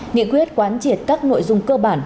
nghị quyết quán triệt các nội dung cơ bản